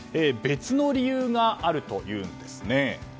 別の理由があるというんです。